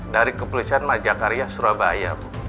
dari kepulisan majakarya surabaya